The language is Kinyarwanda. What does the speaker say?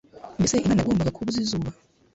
Mbese Imana yagombaga kubuza izuba